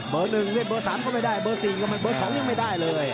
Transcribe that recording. เบอร์หนึ่งเลยเบอร์สามก็ไม่ได้เบอร์สี่ก็ไม่ได้เลย